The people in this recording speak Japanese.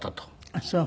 あっそう。